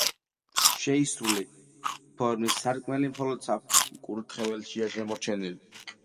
შეისრული ფორმის სარკმელი მხოლოდ საკურთხეველშია შემორჩენილი.